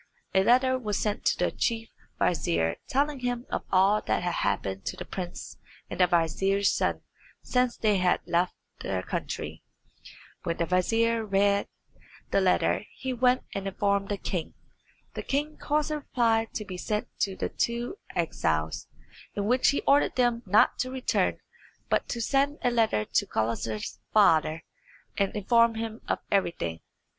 A letter was sent to the chief vizier telling him of all that had happened to the prince and the vizier's son since they had left their country. When the vizier read the letter he went and informed the king. The king caused a reply to be sent to the two exiles, in which he ordered them not to return, but to send a letter to Gulizar's father, and inform him of everything.